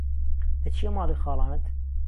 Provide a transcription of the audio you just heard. دهچییه ماڵی خاڵانت